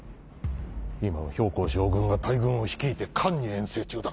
今は公将軍が大軍を率いて韓に遠征中だ。